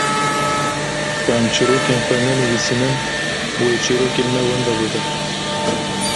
ku em çîrokên xwe nenivîsînin wê çîrokên me wenda bibin.